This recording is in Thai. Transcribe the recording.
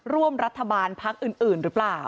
ร่วมรัฐบาลพักอื่นหรือเปล่า